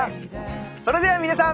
それでは皆さん。